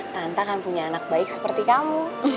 tante kan punya anak baik seperti kamu